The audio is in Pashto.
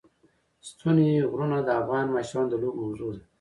ستوني غرونه د افغان ماشومانو د لوبو موضوع ده.